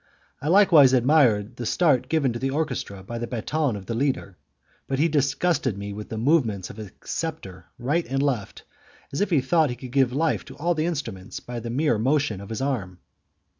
I likewise admired the start given to the orchestra by the baton of the leader, but he disgusted me with the movements of his sceptre right and left, as if he thought that he could give life to all the instruments by the mere motion of his arm.